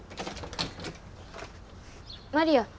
マリア。